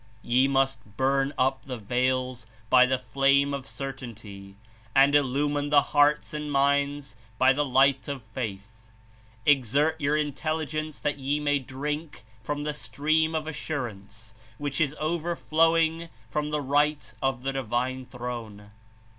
"Ye must burn up the veils by the flame of cer tainty and illumine the hearts and minds by the light of faith. Exert your intelligence that ye may drink from the stream of assurance which Is overflowing from the right of the Divine Throne.